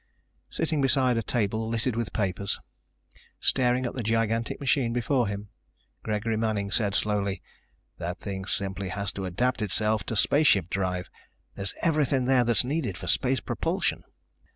Sitting beside a table littered with papers, staring at the gigantic machine before him, Gregory Manning said slowly: "That thing simply has to adapt itself to spaceship drive. There's everything there that's needed for space propulsion.